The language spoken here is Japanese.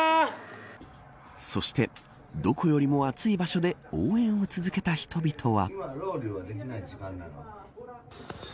そして、どこよりも熱い場所で応援を続けた人々は。